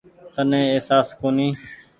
تني اهساس ڪونيٚ ۔